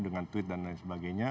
dengan tweet dan lain sebagainya